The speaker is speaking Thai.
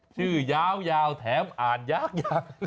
ชื่อยาวแถมอ่านยาก